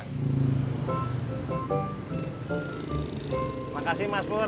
terima kasih mas pur